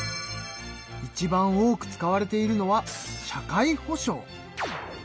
いちばん多く使われているのは社会保障。